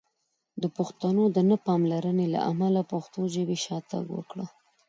د پښتنو د نه پاملرنې له امله پښتو ژبې شاتګ وکړ!